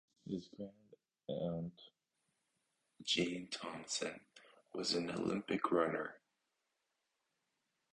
His grand-aunt, Jean Thompson, was an Olympic runner.